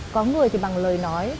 có người thì bằng lời nói